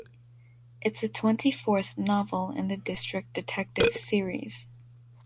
It’s the twenty-fourth novel in the District detective series.